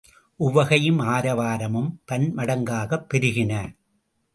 உவகையும் ஆரவாரமும் பன்மடங்காகப் பெருகின.